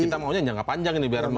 kita maunya jangka panjang ini biar